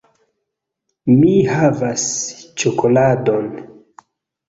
Mi havas ĉokoladon!